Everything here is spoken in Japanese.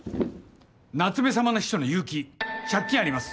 夏目さまの秘書の結城借金あります